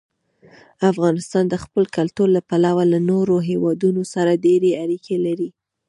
افغانستان د خپل کلتور له پلوه له نورو هېوادونو سره ډېرې اړیکې لري.